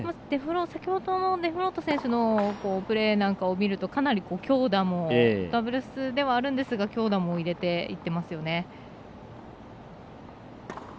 先ほどのデフロート選手のプレーなんかを見るとかなりダブルスではあるんですが強打も入れていってますよね。